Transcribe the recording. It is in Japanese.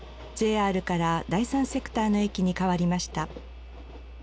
ＪＲから第三セクターの駅に変わりました。